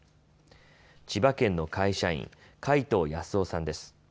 千葉県の会社員、海東靖雄さんです。